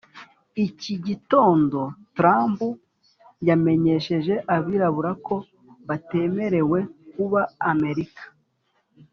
iki gitondo trump yamenyesheje abirabura ko batemerewe kuba america